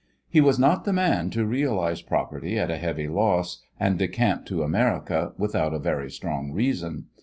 He was not the man to realize property at a heavy loss and decamp to America without a very strong reason.